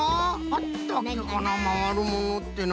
あったっけかなまわるものってな。